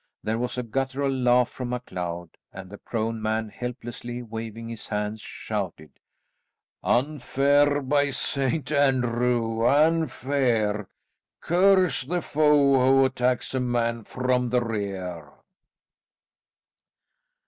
There was a guttural laugh from MacLeod, and the prone man helplessly waving his hands, shouted, "Unfair, by Saint Andrew, unfair! Curse the foe who attacks a man from the rear."